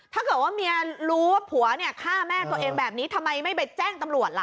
ถ้าเกิดว่าเมียรู้ว่าผัวเนี่ยฆ่าแม่ตัวเองแบบนี้ทำไมไม่ไปแจ้งตำรวจล่ะ